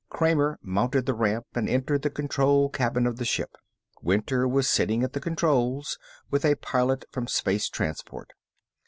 Kramer mounted the ramp and entered the control cabin of the ship. Winter was sitting at the controls with a Pilot from Space transport.